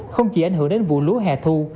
không chỉ ảnh hưởng đến vụ lúa hẹ thu